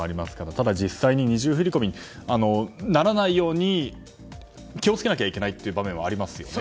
ただ実際に二重振り込みにならないように気を付けなければいけない場面はありますよね。